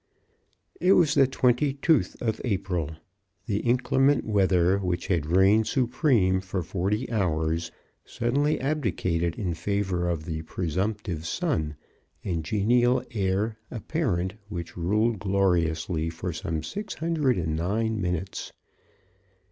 _ It was the twenty tooth of April. The inclement weather, which had rained supreme for forty hours, suddenly abdicated in favor of the presumptive sun and genial air apparent which ruled gloriously for some six hundred and nine minutes.